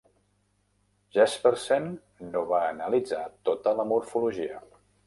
Jespersen no va analitzar tota la morfologia.